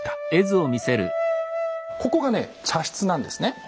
ここがね茶室なんですね。